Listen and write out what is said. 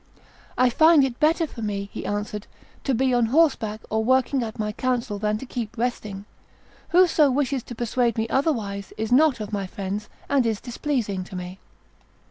"I find it better for me," he answered, "to be on horseback, or working at my council, than to keep resting. Whoso wishes to persuade me otherwise is not of my friends, and is displeasing to me."